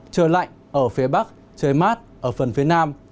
trời lạnh ở phía bắc trời mát ở phần phía nam